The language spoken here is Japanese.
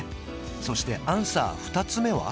そしてアンサー２つ目は？